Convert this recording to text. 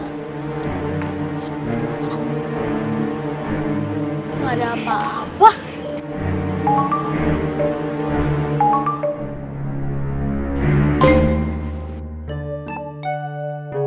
nggak ada apa apa